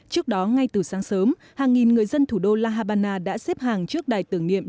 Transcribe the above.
trước đó ngay từ sáng sớm hàng nghìn người dân thủ đô la habana đã xếp hàng trước đài tưởng niệm